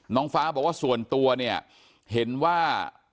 น้องฟ้าบอกว่าส่วนตัวเนี่ยเห็นว่า